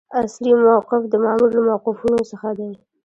اصلي موقف د مامور له موقفونو څخه دی.